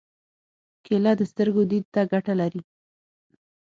کېله د سترګو دید ته ګټه لري.